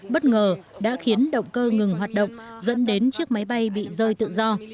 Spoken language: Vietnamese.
bất ngờ đã khiến động cơ ngừng hoạt động dẫn đến chiếc máy bay bị rơi tự do